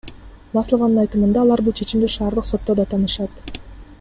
Маслованын айтымында, алар бул чечимди шаардык сотто даттанышат.